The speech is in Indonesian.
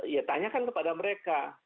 ya tanyakan kepada mereka